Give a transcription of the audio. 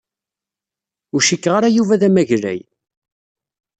Ur cikkeɣ ara Yuba d amaglay.